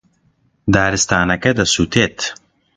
دارستانەکە دەسووتێت.